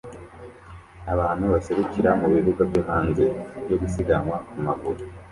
Abantu baserukira mu bibuga byo hanze byo gusiganwa ku maguru